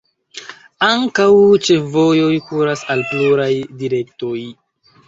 Ankaŭ ĉefvojoj kuras al pluraj direktoj.